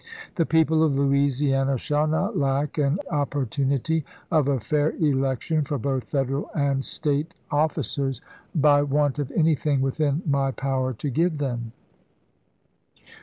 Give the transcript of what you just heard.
The people of Louisiana shall not lack an op ^ jS 19^^' Po^^^ity of a fair election for both Federal and State offi 1863. MS. cers by want of anything within my power to give them."